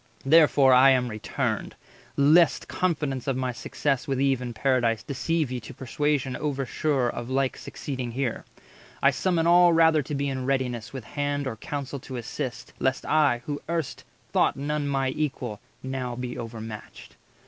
Therefore I am returned, lest confidence 140 Of my success with Eve in Paradise Deceive ye to persuasion over sure Of like succeeding here. I summon all Rather to be in readiness with hand Or counsel to assist, lest I, who erst Thought none my equal, now be overmatched."